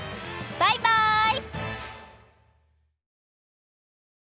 バイバイ！